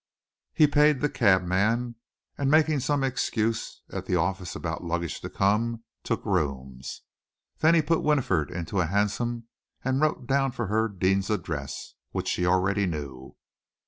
He paid the cabman, and making some excuse at the office about luggage to come, took rooms. Then he put Winifred into a hansom, and wrote down for her Deane's address, which she already knew.